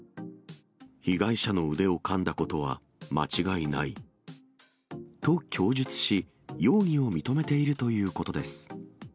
被害者の腕をかんだことは間違いない。と供述し、容疑を認めているということです。